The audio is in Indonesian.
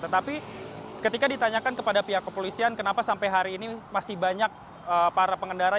tetapi ketika ditanyakan kepada pihak kepolisian kenapa sampai hari ini masih banyak para pengendara